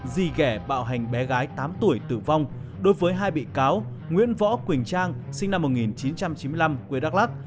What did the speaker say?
di ghẻ bạo hành bé gái tám tuổi tử vong đối với hai bị cáo nguyễn võ quỳnh trang sinh năm một nghìn chín trăm chín mươi năm quê đắk lắc